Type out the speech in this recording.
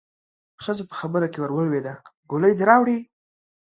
ښځه په خبره کې ورولوېده: ګولۍ دې راوړې؟